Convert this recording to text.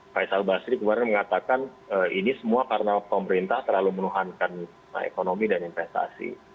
faisal basri kemarin mengatakan ini semua karena pemerintah terlalu menuhankan ekonomi dan investasi